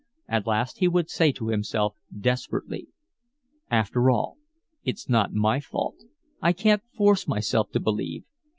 At last he would say to himself desperately: "After all, it's not my fault. I can't force myself to believe.